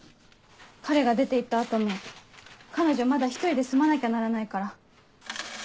彼が出て行った後も彼女まだ１人で住まなきゃならないから。